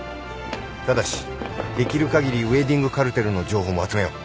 ただしできる限りウエディングカルテルの情報も集めよう。